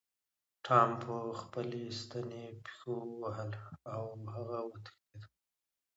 ټام په خپلې ستنې پیشو ووهله او هغه وتښتیده.